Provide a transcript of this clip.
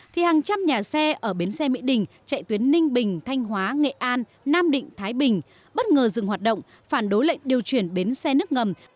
thì hàng trăm nhà xe ở bến xe mỹ đình chạy tuyến ninh bình thanh hóa nghệ an nam định thái bình bất ngờ dừng hoạt động phản đối lệnh điều chuyển bến xe nước ngầm